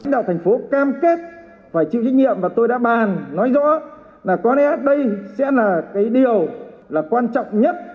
đạo thành phố cam kết phải chịu trách nhiệm và tôi đã bàn nói rõ là có lẽ đây sẽ là điều quan trọng nhất